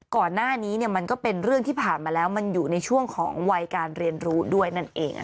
ก่อนหน้านี้มันก็เป็นเรื่องที่ผ่านมาแล้วมันอยู่ในช่วงของวัยการเรียนรู้ด้วยนั่นเอง